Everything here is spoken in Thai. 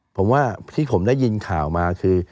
ผมว่าที่ผมได้ยินข่าวมาคือ